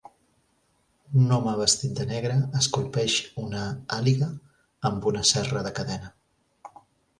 Un home vestit de negre esculpeix una àliga amb una serra de cadena.